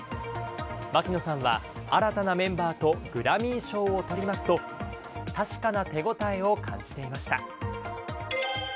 牧野さんは新たなメンバーとグラミー賞をとりますと確かな手応えを感じていました。